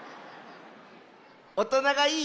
おとながいい？